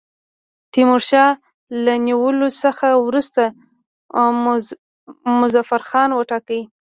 تیمورشاه له نیولو څخه وروسته مظفرخان وټاکی.